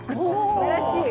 すばらしい。